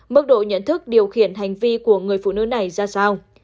mức độ nhận thức điều khiển hành vi của người phụ nữ này ra sao